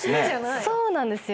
そうなんですよ。